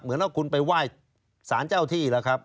เหมือนว่าคุณไปไหว้สารเจ้าที่ล่ะครับ